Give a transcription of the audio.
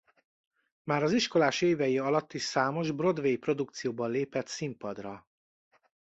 Már az iskolás évei alatt is számos Broadway produkcióban lépett színpadra.